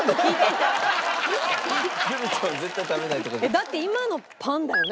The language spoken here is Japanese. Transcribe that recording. だって今のパンだよね？